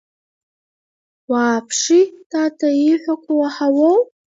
Уааԥши, Тата ииҳәақәо уаҳауоу?